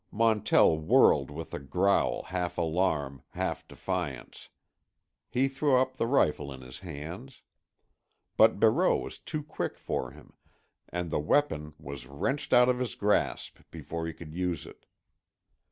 Montell whirled with a growl half alarm, half defiance. He threw up the rifle in his hands. But Barreau was too quick for him, and the weapon was wrenched out of his grasp before he could use it.